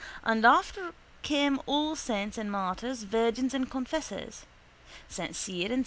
And after came all saints and martyrs, virgins and confessors: S. Cyr and S.